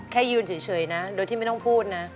แค่ยืนเฉยนะโดยที่ไม่ต้องพูดนะ